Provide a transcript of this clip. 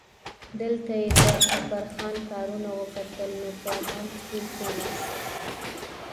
دلته یې د اکبرجان کارونه وکتل نو په منځ کې کیناست.